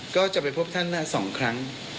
ก็จะไปพบท่าน๒ครั้ง